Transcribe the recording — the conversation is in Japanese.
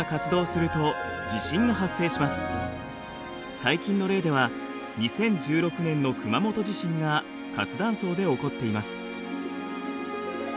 最近の例では２０１６年の熊本地震が活断層で起こっています。